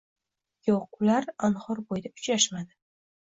Yo‘q, ular Anhor bo‘yida uchrashmadi.